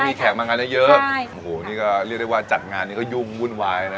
มีแขกมางานเยอะเยอะโอ้โหนี่ก็เรียกได้ว่าจัดงานนี้ก็ยุ่งวุ่นวายนะ